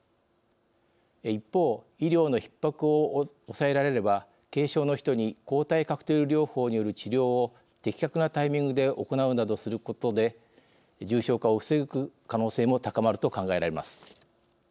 一方、医療のひっ迫を抑えられれば、軽症の人に抗体カクテル療法による治療を的確なタイミングで行うなどすることで重症化を防ぐ可能性も高まると考えられます。